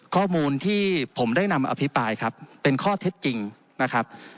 ข้อมูลที่ผมได้นำอภิปรายครับเป็นข้อเท็จจริงนะครับ